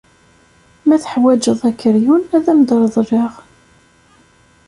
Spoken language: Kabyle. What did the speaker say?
Ma teḥwajeḍ akeryun, ad am-reḍleɣ.